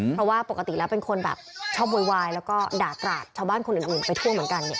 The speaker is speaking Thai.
เพราะว่าปกติแล้วเป็นคนแบบชอบโวยวายแล้วก็ด่ากราดชาวบ้านคนอื่นไปทั่วเหมือนกันเนี่ย